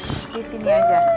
shhh disini aja